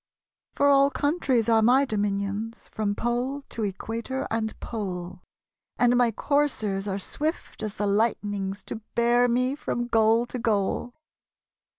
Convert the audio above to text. For all countries are my dominionSj From pole to equator and pole; And my coursers are swift as the light'nings To bear me from goal to goal.